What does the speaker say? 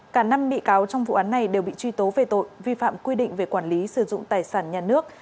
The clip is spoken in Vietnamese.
cả năm bị cáo trong vụ án này đều bị truy tố về tội vi phạm quy định về quản lý sử dụng tài sản nhà nước